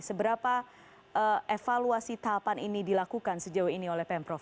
seberapa evaluasi tahapan ini dilakukan sejauh ini oleh pemprov